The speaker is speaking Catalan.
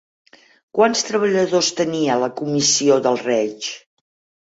Quants treballadors tenia la Comissió del Reich?